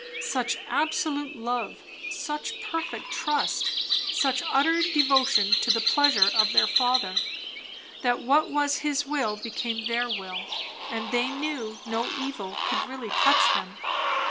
Such absolute love, such perfect trust, such utter devotion to the pleasure of their Father, that what was his will became their will, and they knew no evil could really touch them?